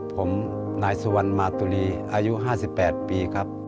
ผมนายสุวรรณมาตุลีอายุ๕๘ปีครับ